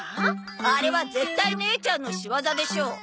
あれは絶対姉ちゃんの仕業でしょ！